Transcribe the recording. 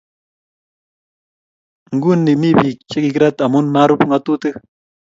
nguni mii biik che kikirat amu marub ng'atutik